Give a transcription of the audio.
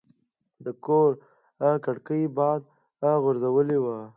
د کور کړکۍ باد غورځولې وه.